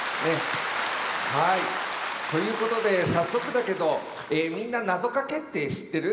ということで早速だけどみんななぞかけって知ってる？